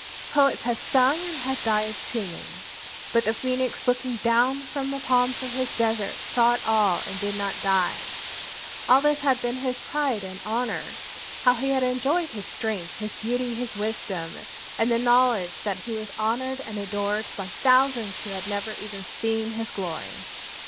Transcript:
Poets had sung and had died singing. But the Phoenix, looking down from the palms of his desert, saw it all and did not die. All this had been his pride and honor. How he had enjoyed his strength, his beauty, his wisdom, and the knowledge that he was honored and adored by thousands who had never even seen his glory!